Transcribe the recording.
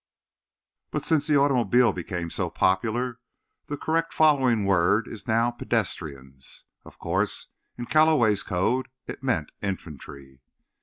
But, since the automobile became so popular, the correct following word is now "pedestrians". Of course, in Calloway's code it meant infantry.